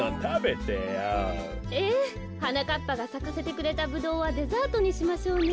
はなかっぱがさかせてくれたブドウはデザートにしましょうね。